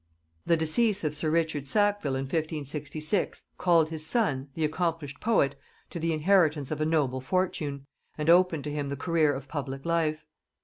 The decease of sir Richard Sackville in 1566 called his son, the accomplished poet, to the inheritance of a noble fortune, and opened to him the career of public life.